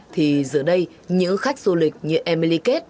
thì giờ đây những khách du lịch như emily kết